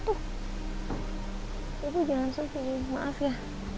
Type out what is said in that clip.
tuh ibu jangan sampai maaf ya